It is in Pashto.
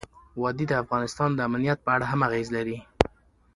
وادي د افغانستان د امنیت په اړه هم اغېز لري.